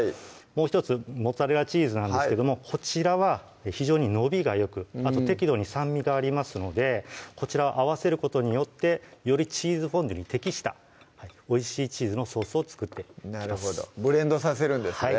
もう１つモッツァレラチーズなんですけどもこちらは非常に伸びがよくあと適度に酸味がありますのでこちらを合わせることによってよりチーズフォンデュに適したおいしいチーズのソースを作っていきますブレンドさせるんですね